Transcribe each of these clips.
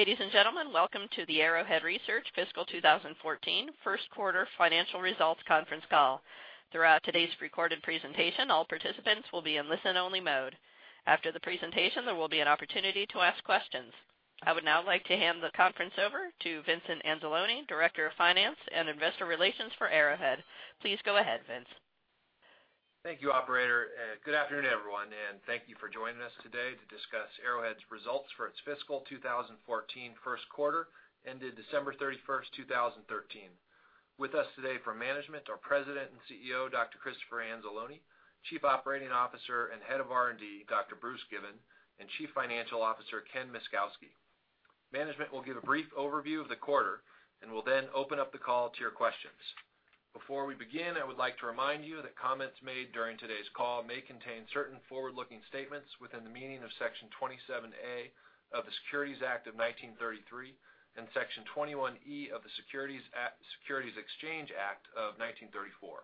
Ladies and gentlemen, welcome to the Arrowhead Research fiscal 2014 first quarter financial results conference call. Throughout today's recorded presentation, all participants will be in listen-only mode. After the presentation, there will be an opportunity to ask questions. I would now like to hand the conference over to Vincent Anzalone, Director of Finance and Investor Relations for Arrowhead. Please go ahead, Vince. Thank you, operator, good afternoon, everyone. Thank you for joining us today to discuss Arrowhead's results for its fiscal 2014 first quarter ended December 31st, 2013. With us today from management are President and CEO, Dr. Christopher Anzalone, Chief Operating Officer and Head of R&D, Dr. Bruce Given, and Chief Financial Officer, Ken Myszkowski. Management will give a brief overview of the quarter will then open up the call to your questions. Before we begin, I would like to remind you that comments made during today's call may contain certain forward-looking statements within the meaning of Section 27A of the Securities Act of 1933 and Section 21E of the Securities Exchange Act of 1934.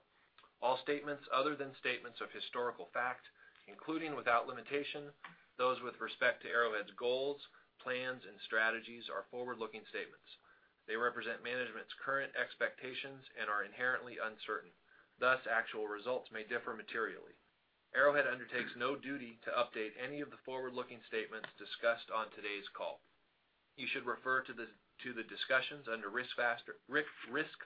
All statements other than statements of historical fact, including, without limitation, those with respect to Arrowhead's goals, plans, and strategies, are forward-looking statements. They represent management's current expectations and are inherently uncertain. Thus, actual results may differ materially. Arrowhead undertakes no duty to update any of the forward-looking statements discussed on today's call. You should refer to the discussions under Risk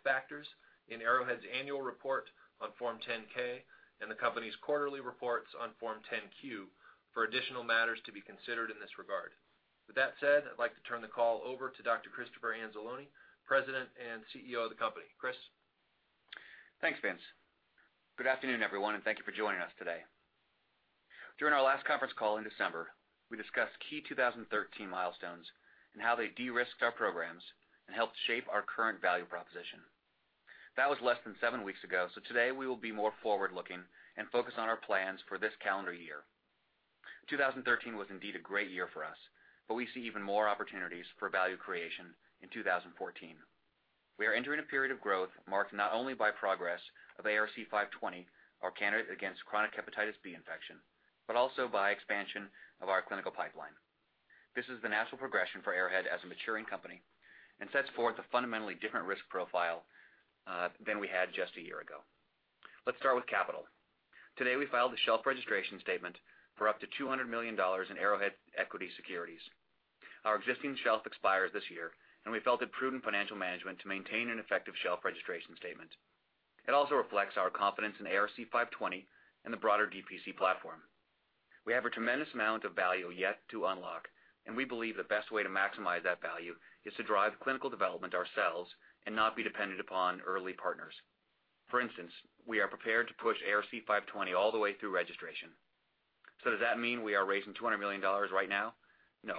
Factors in Arrowhead's annual report on Form 10-K and the company's quarterly reports on Form 10-Q for additional matters to be considered in this regard. With that said, I'd like to turn the call over to Dr. Christopher Anzalone, President and CEO of the company. Chris? Thanks, Vince. Good afternoon, everyone, thank you for joining us today. During our last conference call in December, we discussed key 2013 milestones and how they de-risked our programs and helped shape our current value proposition. That was less than seven weeks ago, today we will be more forward-looking and focus on our plans for this calendar year. 2013 was indeed a great year for us, we see even more opportunities for value creation in 2014. We are entering a period of growth marked not only by progress of ARC-520, our candidate against chronic hepatitis B infection, also by expansion of our clinical pipeline. This is the natural progression for Arrowhead as a maturing company and sets forth a fundamentally different risk profile than we had just a year ago. Let's start with capital. Today, we filed a shelf registration statement for up to $200 million in Arrowhead equity securities. Our existing shelf expires this year, we felt it prudent financial management to maintain an effective shelf registration statement. It also reflects our confidence in ARC-520 and the broader DPC platform. We have a tremendous amount of value yet to unlock, we believe the best way to maximize that value is to drive clinical development ourselves and not be dependent upon early partners. For instance, we are prepared to push ARC-520 all the way through registration. Does that mean we are raising $200 million right now? No.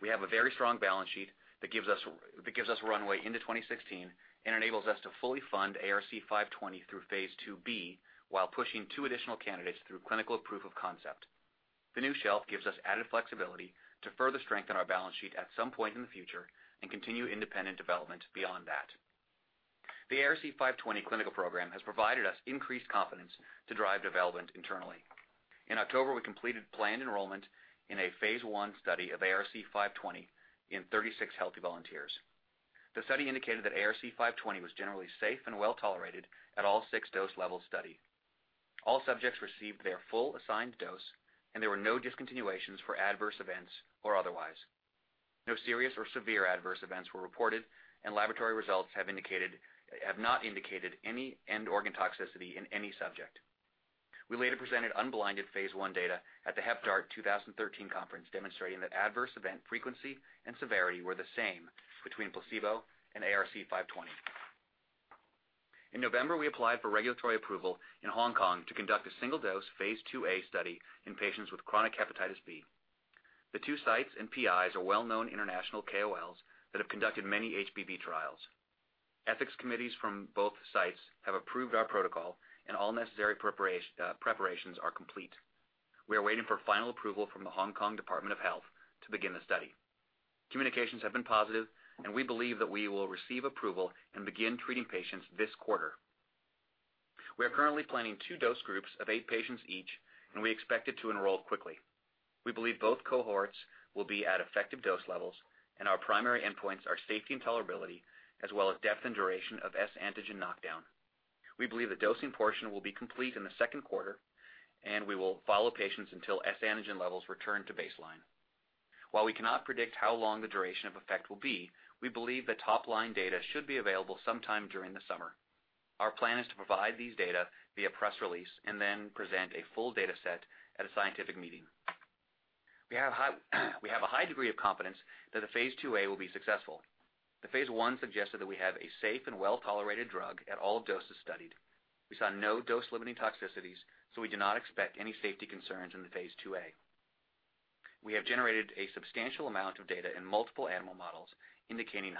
We have a very strong balance sheet that gives us runway into 2016 and enables us to fully fund ARC-520 through phase IIb while pushing two additional candidates through clinical proof of concept. The new shelf gives us added flexibility to further strengthen our balance sheet at some point in the future and continue independent development beyond that. The ARC-520 clinical program has provided us increased confidence to drive development internally. In October, we completed planned enrollment in a phase I study of ARC-520 in 36 healthy volunteers. The study indicated that ARC-520 was generally safe and well-tolerated at all 6 dose levels studied. All subjects received their full assigned dose, there were no discontinuations for adverse events or otherwise. No serious or severe adverse events were reported, laboratory results have not indicated any end organ toxicity in any subject. We later presented unblinded phase I data at the HepDART 2013 conference, demonstrating that adverse event frequency and severity were the same between placebo and ARC-520. In November, we applied for regulatory approval in Hong Kong to conduct a single-dose phase IIa study in patients with chronic hepatitis B. The two sites and PIs are well-known international KOLs that have conducted many HBV trials. Ethics committees from both sites have approved our protocol, all necessary preparations are complete. We are waiting for final approval from the Hong Kong Department of Health to begin the study. Communications have been positive, we believe that we will receive approval and begin treating patients this quarter. We are currently planning two dose groups of eight patients each, we expect it to enroll quickly. We believe both cohorts will be at effective dose levels, our primary endpoints are safety and tolerability, as well as depth and duration of s-antigen knockdown. We believe the dosing portion will be complete in the second quarter, we will follow patients until s-antigen levels return to baseline. While we cannot predict how long the duration of effect will be, we believe that top-line data should be available sometime during the summer. Our plan is to provide these data via press release then present a full data set at a scientific meeting. We have a high degree of confidence that the phase IIa will be successful. The phase I suggested that we have a safe and well-tolerated drug at all doses studied. We saw no dose-limiting toxicities, we do not expect any safety concerns in the phase IIa. We have generated a substantial amount of data in multiple animal models indicating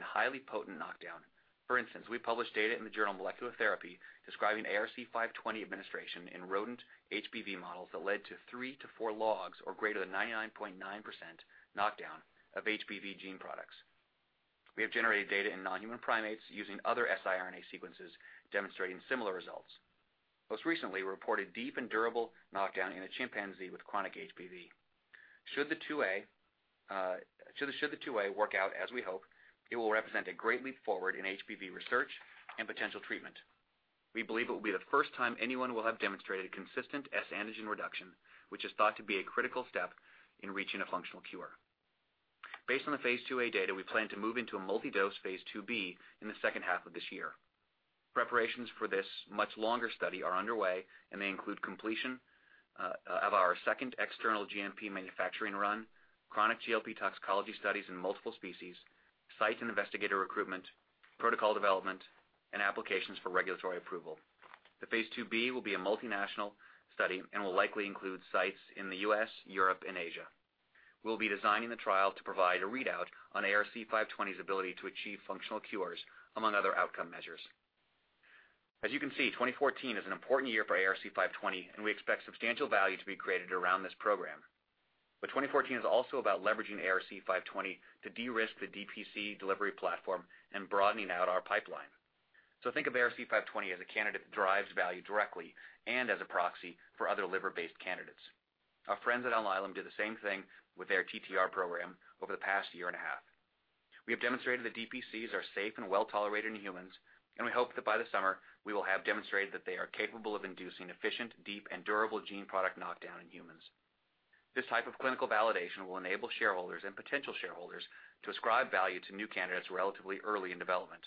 highly potent knockdown. For instance, we published data in the journal Molecular Therapy describing ARC-520 administration in rodent HBV models that led to three to four logs or greater than 99.9% knockdown of HBV gene products. We have generated data in non-human primates using other siRNA sequences demonstrating similar results. Most recently, we reported deep and durable knockdown in a chimpanzee with chronic HBV. Should the phase IIa work out as we hope, it will represent a great leap forward in HBV research and potential treatment. We believe it will be the first time anyone will have demonstrated a consistent s-antigen reduction, which is thought to be a critical step in reaching a functional cure. Based on the phase IIa data, we plan to move into a multi-dose phase IIb in the second half of this year. Preparations for this much longer study are underway. They include completion of our second external GMP manufacturing run, chronic GLP toxicology studies in multiple species, site and investigator recruitment, protocol development, and applications for regulatory approval. The phase IIb will be a multinational study. Will likely include sites in the U.S., Europe, and Asia. We'll be designing the trial to provide a readout on ARC-520's ability to achieve functional cures, among other outcome measures. As you can see, 2014 is an important year for ARC-520, and we expect substantial value to be created around this program. 2014 is also about leveraging ARC-520 to de-risk the DPC delivery platform and broadening out our pipeline. Think of ARC-520 as a candidate that drives value directly and as a proxy for other liver-based candidates. Our friends at Alnylam did the same thing with their TTR program over the past year and a half. We have demonstrated that DPCs are safe and well-tolerated in humans. We hope that by the summer we will have demonstrated that they are capable of inducing efficient, deep, and durable gene product knockdown in humans. This type of clinical validation will enable shareholders and potential shareholders to ascribe value to new candidates relatively early in development.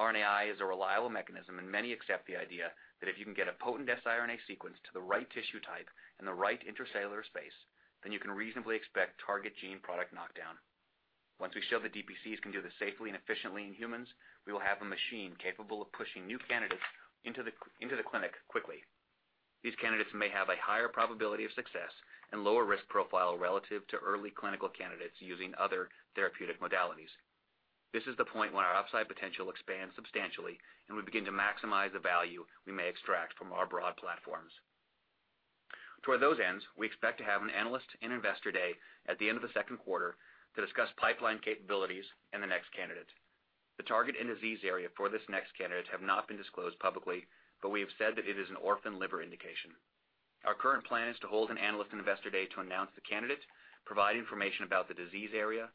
RNAi is a reliable mechanism, and many accept the idea that if you can get a potent siRNA sequence to the right tissue type and the right intracellular space, then you can reasonably expect target gene product knockdown. Once we show that DPCs can do this safely and efficiently in humans, we will have a machine capable of pushing new candidates into the clinic quickly. These candidates may have a higher probability of success and lower risk profile relative to early clinical candidates using other therapeutic modalities. This is the point where our upside potential expands substantially, and we begin to maximize the value we may extract from our broad platforms. Toward those ends, we expect to have an analyst and investor day at the end of the second quarter to discuss pipeline capabilities and the next candidate. The target and disease area for this next candidate have not been disclosed publicly, but we have said that it is an orphan liver indication. Our current plan is to hold an analyst and investor day to announce the candidate, provide information about the disease area,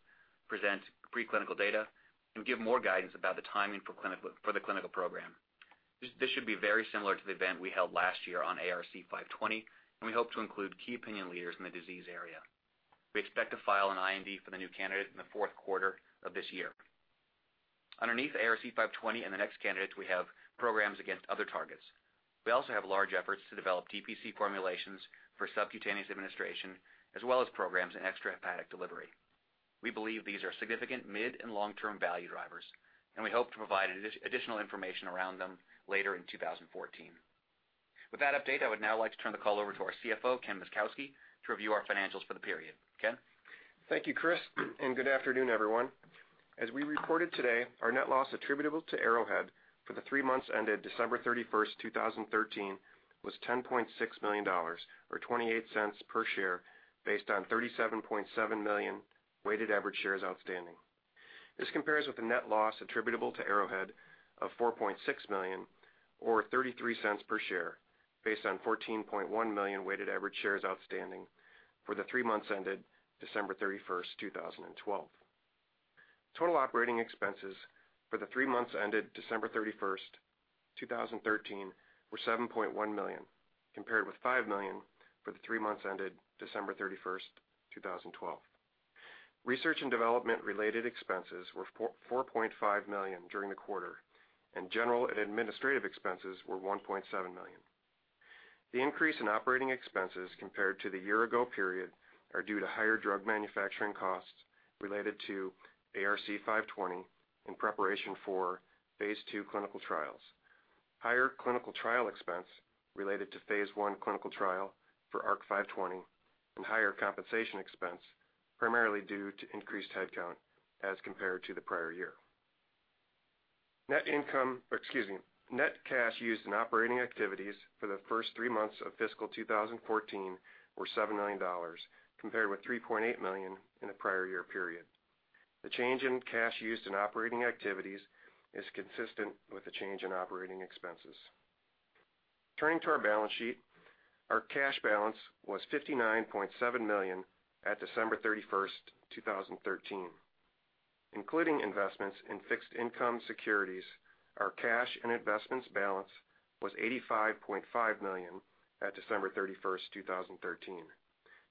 present preclinical data, and give more guidance about the timing for the clinical program. This should be very similar to the event we held last year on ARC-520, and we hope to include key opinion leaders in the disease area. We expect to file an IND for the new candidate in the fourth quarter of this year. Underneath ARC-520 and the next candidate, we have programs against other targets. We also have large efforts to develop DPC formulations for subcutaneous administration, as well as programs in extrahepatic delivery. We believe these are significant mid and long-term value drivers, and we hope to provide additional information around them later in 2014. With that update, I would now like to turn the call over to our CFO, Ken Myszkowski, to review our financials for the period. Ken? Thank you, Chris, and good afternoon, everyone. As we reported today, our net loss attributable to Arrowhead for the three months ended December 31st, 2013, was $10.6 million, or $0.28 per share based on 37.7 million weighted average shares outstanding. This compares with the net loss attributable to Arrowhead of $4.6 million, or $0.33 per share, based on 14.1 million weighted average shares outstanding for the three months ended December 31st, 2012. Total operating expenses for the three months ended December 31st, 2013, were $7.1 million compared with $5 million for the three months ended December 31st, 2012. Research and development-related expenses were $4.5 million during the quarter, and general and administrative expenses were $1.7 million. The increase in operating expenses compared to the year-ago period are due to higher drug manufacturing costs related to ARC-520 in preparation for phase II clinical trials, higher clinical trial expense related to phase I clinical trial for ARC-520, and higher compensation expense primarily due to increased headcount as compared to the prior year. Net cash used in operating activities for the first three months of fiscal 2014 were $7 million compared with $3.8 million in the prior year period. The change in cash used in operating activities is consistent with the change in operating expenses. Turning to our balance sheet, our cash balance was $59.7 million at December 31st, 2013. Including investments in fixed income securities, our cash and investments balance was $85.5 million at December 31st, 2013,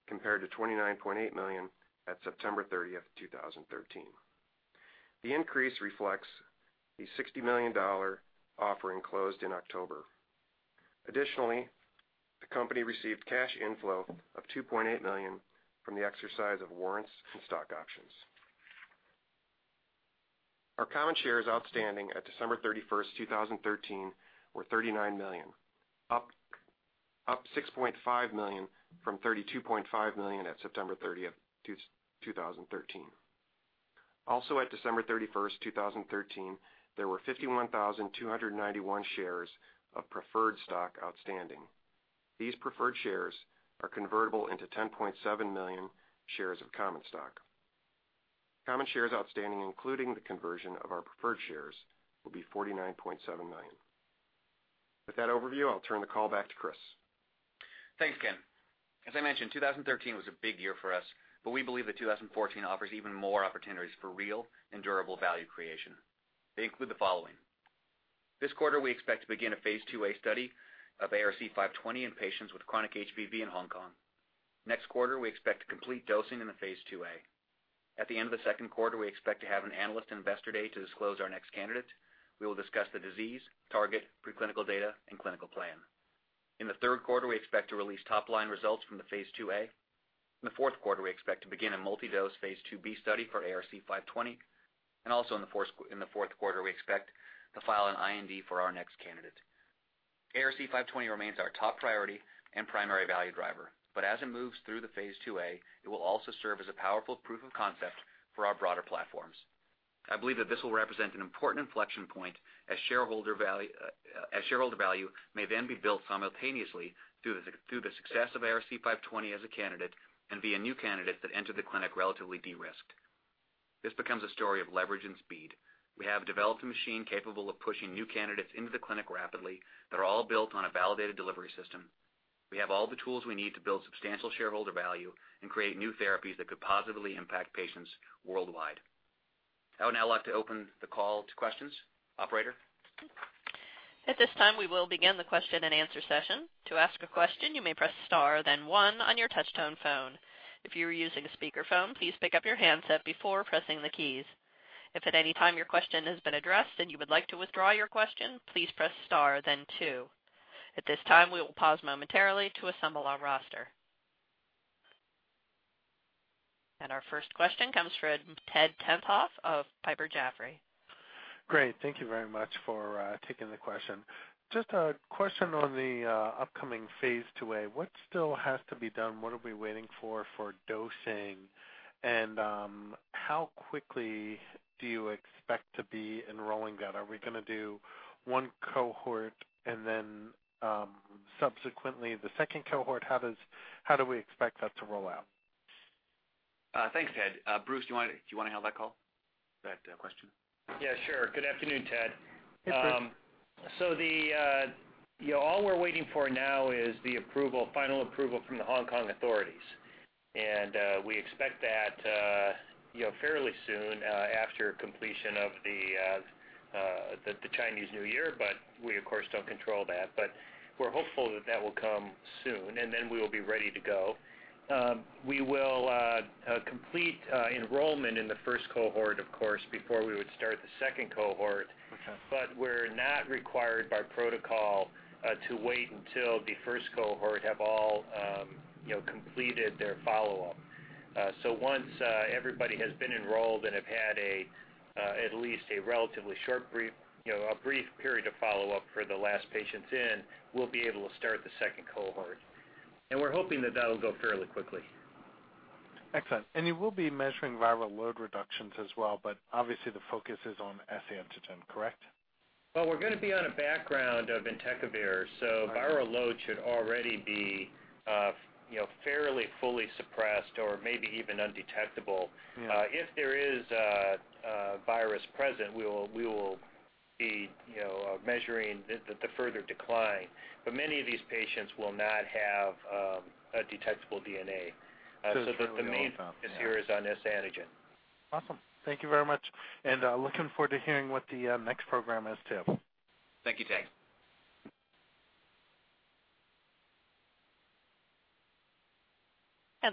compared to $29.8 million at September 30th, 2013. The increase reflects the $60 million offering closed in October. Additionally, the company received cash inflow of $2.8 million from the exercise of warrants and stock options. Our common shares outstanding at December 31st, 2013, were 39 million, up 6.5 million from 32.5 million at September 30th, 2013. Also at December 31st, 2013, there were 51,291 shares of preferred stock outstanding. These preferred shares are convertible into 10.7 million shares of common stock. Common shares outstanding, including the conversion of our preferred shares, will be 49.7 million. With that overview, I'll turn the call back to Chris. Thanks, Ken. As I mentioned, 2013 was a big year for us, we believe that 2014 offers even more opportunities for real and durable value creation. They include the following. This quarter, we expect to begin a phase II-A study of ARC-520 in patients with chronic HBV in Hong Kong. Next quarter, we expect to complete dosing in the phase II-A. At the end of the second quarter, we expect to have an analyst and investor day to disclose our next candidate. We will discuss the disease, target, preclinical data, and clinical plan. In the third quarter, we expect to release top-line results from the phase II-A. In the fourth quarter, we expect to begin a multi-dose phase II-B study for ARC-520. Also in the fourth quarter, we expect to file an IND for our next candidate. ARC-520 remains our top priority and primary value driver, as it moves through the phase II-A, it will also serve as a powerful proof of concept for our broader platforms. I believe that this will represent an important inflection point as shareholder value may then be built simultaneously through the success of ARC-520 as a candidate and via new candidates that enter the clinic relatively de-risked. This becomes a story of leverage and speed. We have developed a machine capable of pushing new candidates into the clinic rapidly that are all built on a validated delivery system. We have all the tools we need to build substantial shareholder value and create new therapies that could positively impact patients worldwide. I would now like to open the call to questions. Operator? At this time, we will begin the question and answer session. To ask a question, you may press star then one on your touch-tone phone. If you are using a speakerphone, please pick up your handset before pressing the keys. If at any time your question has been addressed and you would like to withdraw your question, please press star then two. At this time, we will pause momentarily to assemble our roster. Our first question comes from Ted Tenthoff of Piper Jaffray. Great. Thank you very much for taking the question. Just a question on the upcoming phase IIa. What still has to be done? What are we waiting for dosing? How quickly do you expect to be enrolling that? Are we going to do one cohort and then subsequently the second cohort? How do we expect that to roll out? Thanks, Ted. Bruce, do you want to handle that question? Yeah, sure. Good afternoon, Ted. Hey, Bruce. All we're waiting for now is the final approval from the Hong Kong authorities. We expect that fairly soon after completion of the Chinese New Year, we of course don't control that. We're hopeful that that will come soon, we will be ready to go. We will complete enrollment in the first cohort, of course, before we would start the second cohort. Okay. We're not required by protocol to wait until the first cohort have all completed their follow-up. Once everybody has been enrolled and have had at least a relatively short, brief period of follow-up for the last patients in, we'll be able to start the second cohort. We're hoping that that'll go fairly quickly. Excellent. You will be measuring viral load reductions as well, obviously the focus is on s-antigen, correct? Well, we're going to be on a background of entecavir, viral load should already be fairly fully suppressed or maybe even undetectable. Yeah. If there is a virus present, we will be measuring the further decline. Many of these patients will not have a detectable DNA. That's what we all thought. Yeah. The main focus here is on s-antigen. Awesome. Thank you very much, and looking forward to hearing what the next program is too. Thank you, Ted.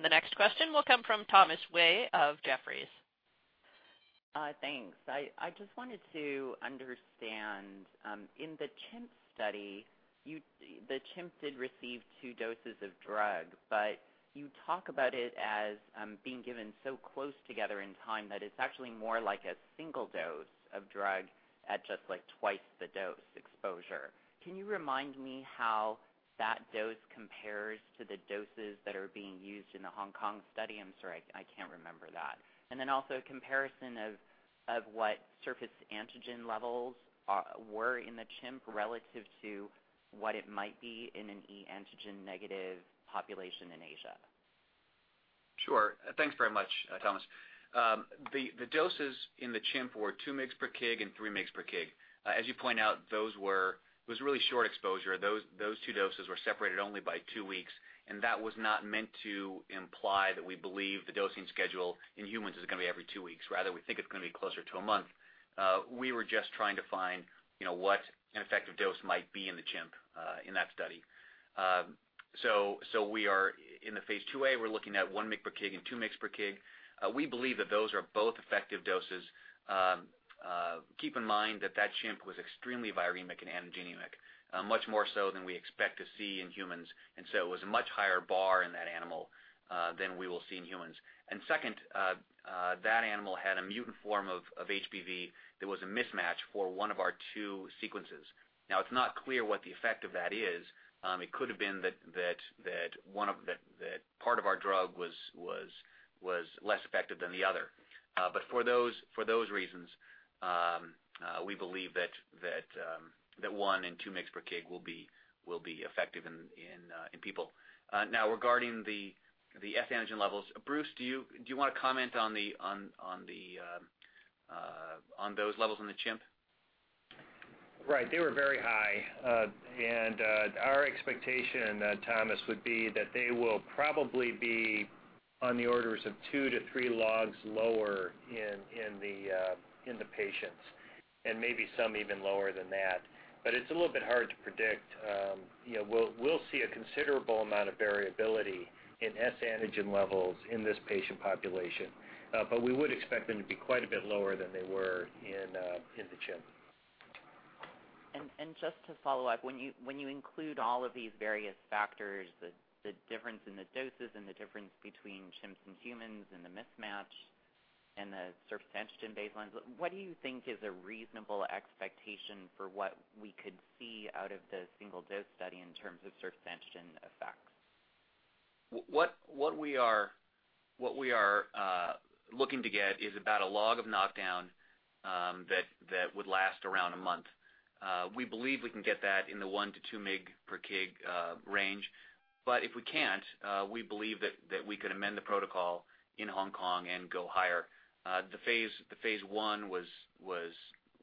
The next question will come from Thomas Wei of Jefferies. Thanks. I just wanted to understand, in the chimp study, the chimp did receive two doses of drug, but you talk about it as being given so close together in time that it's actually more like a single dose of drug at just twice the dose exposure. Can you remind me how that dose compares to the doses that are being used in the Hong Kong study? I'm sorry, I can't remember that. Then also a comparison of what surface antigen levels were in the chimp relative to what it might be in an HBeAg-antigen negative population in Asia. Sure. Thanks very much, Thomas. The doses in the chimp were 2 mgs per kg and 3 mgs per kg. As you point out, it was a really short exposure. Those two doses were separated only by 2 weeks. That was not meant to imply that we believe the dosing schedule in humans is going to be every 2 weeks. Rather, we think it's going to be closer to a month. We were just trying to find what an effective dose might be in the chimp in that study. In the phase II-A, we're looking at 1 mg per kg and 2 mgs per kg. We believe that those are both effective doses. Keep in mind that that chimp was extremely viremic and antigenemic, much more so than we expect to see in humans. It was a much higher bar in that animal than we will see in humans. Second, that animal had a mutant form of HBV that was a mismatch for one of our two sequences. Now, it's not clear what the effect of that is. It could've been that one of the was less effective than the other. For those reasons, we believe that one and two mgs per kg will be effective in people. Now, regarding the s-antigen levels, Bruce, do you want to comment on those levels in the chimp? Right. They were very high. Our expectation, Thomas, would be that they will probably be on the orders of two to three logs lower in the patients, and maybe some even lower than that. It's a little bit hard to predict. We'll see a considerable amount of variability in s-antigen levels in this patient population. We would expect them to be quite a bit lower than they were in the chimp. Just to follow up, when you include all of these various factors, the difference in the doses and the difference between chimps and humans and the mismatch and the surface antigen baselines, what do you think is a reasonable expectation for what we could see out of the single dose study in terms of surface antigen effects? What we are looking to get is about a log of knockdown that would last around a month. We believe we can get that in the one to two mg per kg range. If we can't, we believe that we could amend the protocol in Hong Kong and go higher. The phase I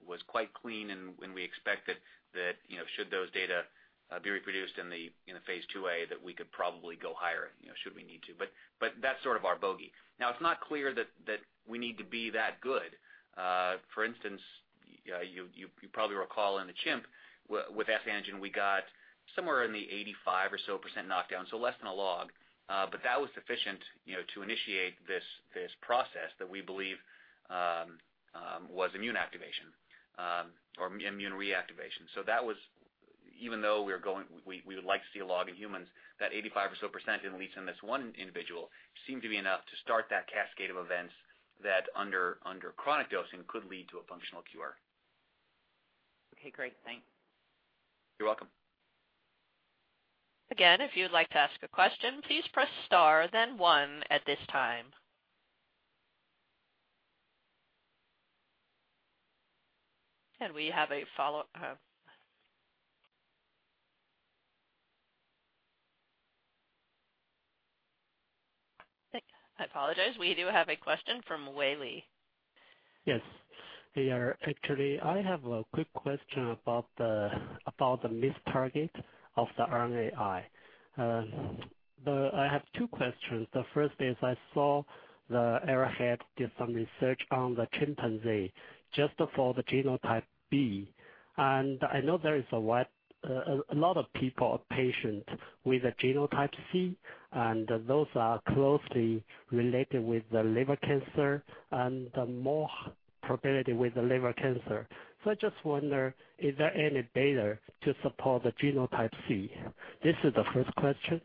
was quite clean and we expect that should those data be reproduced in the phase IIa, that we could probably go higher should we need to. That's sort of our bogey. Now, it's not clear that we need to be that good. For instance, you probably recall in the chimp with s-antigen, we got somewhere in the 85% or so knockdown, so less than a log. That was sufficient to initiate this process that we believe was immune activation or immune reactivation. Even though we would like to see a log in humans, that 85% or so, at least in this one individual, seemed to be enough to start that cascade of events that under chronic dosing could lead to a functional cure. Okay, great. Thanks. You're welcome. Again, if you would like to ask a question, please press star then one at this time. We have a follow-up. I apologize. We do have a question from Wei Li. Yes. I have a quick question about the missed target of the RNAi. I have two questions. The first is I saw that Arrowhead did some research on the chimpanzee just for the genotype B. I know there is a lot of people, patients with genotype C, and those are closely related with the liver cancer and more probability with the liver cancer. I just wonder, is there any data to support the genotype C? This is the first question.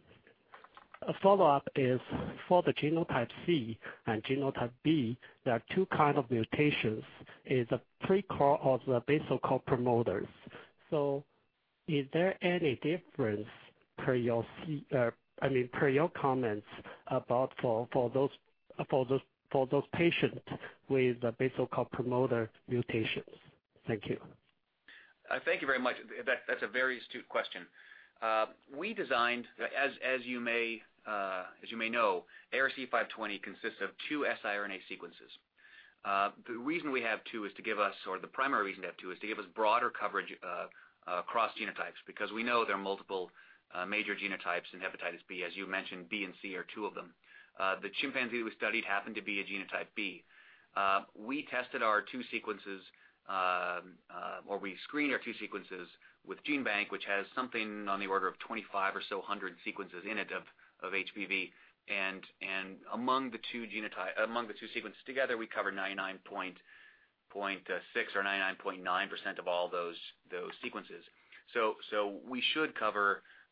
A follow-up is for the genotype C and genotype B, there are two kind of mutations. Is a precore or the basal core promoter. Is there any difference per your comments for those patients with basal core promoter mutations? Thank you. Thank you very much. That's a very astute question. As you may know, ARC-520 consists of two siRNA sequences. The reason we have two is to give us, or the primary reason to have two, is to give us broader coverage across genotypes, because we know there are multiple major genotypes in hepatitis B. As you mentioned, B and C are two of them. The chimpanzee we studied happened to be a genotype B. We tested our two sequences, or we screened our two sequences with GenBank, which has something on the order of 2,500 or so sequences in it of HBV. Among the two sequences together, we cover 99.6% or 99.9% of all those sequences.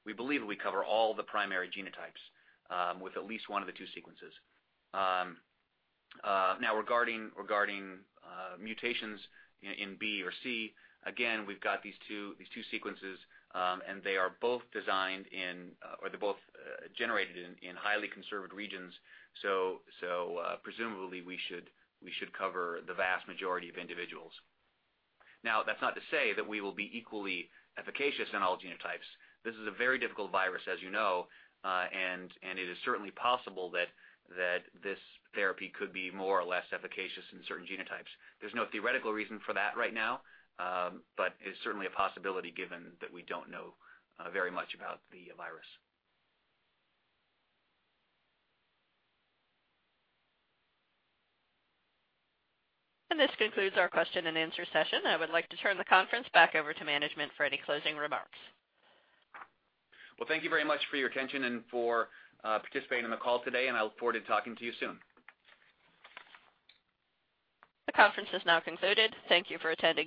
We believe we cover all the primary genotypes with at least one of the two sequences. Regarding mutations in B or C, again, we've got these two sequences, they're both generated in highly conserved regions, presumably we should cover the vast majority of individuals. That's not to say that we will be equally efficacious in all genotypes. This is a very difficult virus, as you know, and it is certainly possible that this therapy could be more or less efficacious in certain genotypes. There's no theoretical reason for that right now, it's certainly a possibility given that we don't know very much about the virus. This concludes our question and answer session. I would like to turn the conference back over to management for any closing remarks. Well, thank you very much for your attention and for participating in the call today, I look forward to talking to you soon. The conference is now concluded. Thank you for attending.